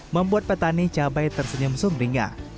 membuat petani cabai tersenyum sumringah